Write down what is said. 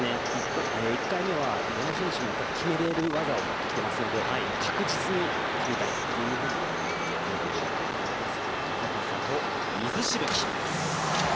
１回目はどの選手も決められる技を持ってきてますので確実に決めたいというふうに思って臨んでいると思われます。